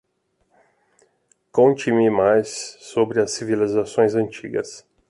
Conte-me mais sobre as civilizações antigas